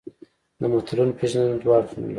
د متلونو پېژندنه دوه اړخونه لري